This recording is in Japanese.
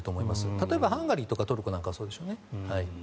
例えばハンガリーとかトルコとかはそうでしょうね。